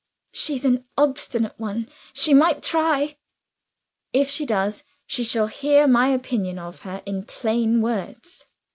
"She's an obstinate one she might try." "If she does, she shall hear my opinion of her in plain words."